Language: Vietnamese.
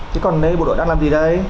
chứ còn đây bộ đội đang làm gì đây